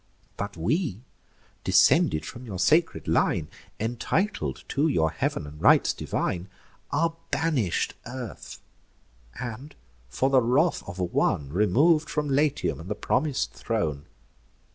But we, descended from your sacred line, Entitled to your heav'n and rites divine, Are banish'd earth; and, for the wrath of one, Remov'd from Latium and the promis'd throne.